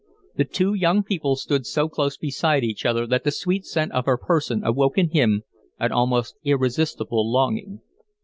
The two young people stood so close beside each other that the sweet scent of her person awoke in him an almost irresistible longing.